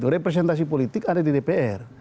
representasi politik ada di dpr